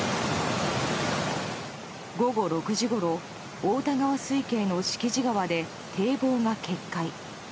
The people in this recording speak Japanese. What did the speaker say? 午後６時ごろ太田川水系の敷地川で堤防が決壊。